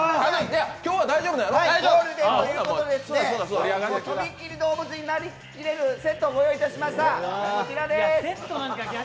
今日はゴールデンということでとびっきり動物になりきれるセットをご用意いたしました、こちらです。